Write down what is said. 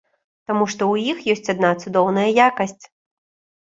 Таму што ў іх ёсць адна цудоўная якасць.